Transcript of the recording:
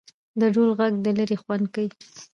د ډول ږغ د ليري خوند کيي.